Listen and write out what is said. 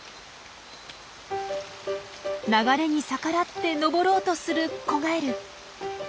流れに逆らって登ろうとする子ガエル。